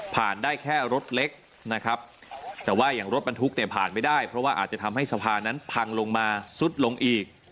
ได้แค่รถเล็กนะครับแต่ว่าอย่างรถบรรทุกเนี่ยผ่านไม่ได้เพราะว่าอาจจะทำให้สะพานนั้นพังลงมาซุดลงอีก